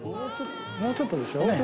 もうちょっとでしょ。